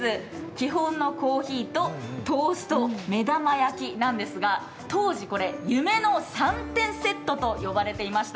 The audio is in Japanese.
基本のコーヒーとトースト、目玉焼きなんですが、当時、これ夢の３点セットと呼ばれていました。